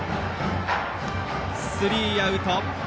スリーアウト。